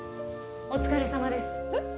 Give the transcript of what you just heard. お疲れさまですえっ？